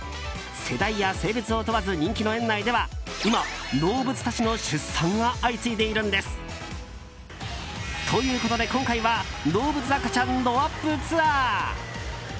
世代や性別を問わず人気の園内では今、動物たちの出産が相次いでいるんです。ということで今回は動物赤ちゃんドアップツアー！